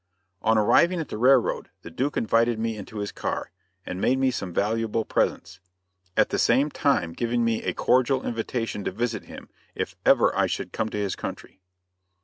On arriving at the railroad, the Duke invited me into his car, and made me some valuable presents, at the same time giving me a cordial invitation to visit him, if ever I should come to his country.